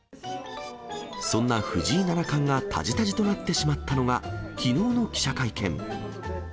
そんな藤井七冠がたじたじとなってしまったのが、きのうの記者会見。